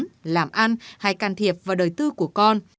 làm ăn hay can thiệp vào đời tư của con